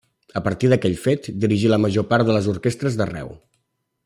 A partir d'aquell fet, dirigí la major part de les orquestres d'arreu.